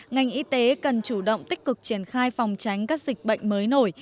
ngành y tế cần chủ động tích cực triển khai phòng tránh các dịch bệnh mới nổi